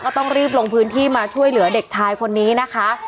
ต้องรีบลงพื้นที่มาช่วยเหลือเด็กชายคนนี้นะคะ